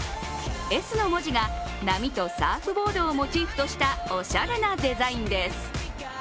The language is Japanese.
Ｓの文字が波とサーフボードをモチーフとしたおしゃれなデザインです。